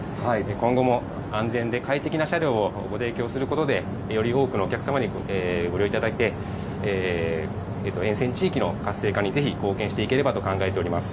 今後も安全で快適な車両をご提供することで、より多くのお客様にご利用いただき、沿線地域の活性化にぜひ貢献していければと考えております。